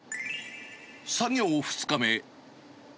作業２日目。